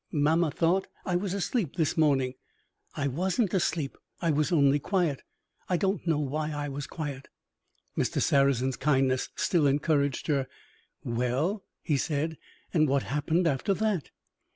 Mamma thought I was asleep this morning. I wasn't asleep I was only quiet. I don't know why I was quiet." Mr. Sarrazin's kindness still encouraged her. "Well," he said, "and what happened after that?"